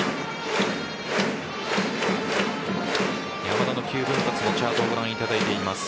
山田の９分割のチャートをご覧いただいています。